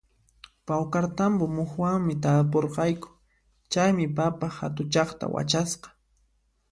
Pawkartambo muhuwanmi tarpurqayku, chaymi papa hatuchaqta wachasqa